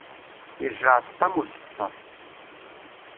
Yejjaɛṭet am uṣefṣaf.